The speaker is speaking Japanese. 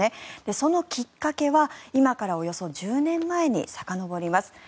そのきっかけは今からおよそ１０年前にさかのぼります。